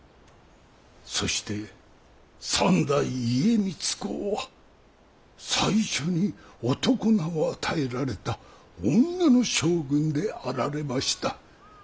そして三代家光公は最初に男名を与えられた女の将軍であられました。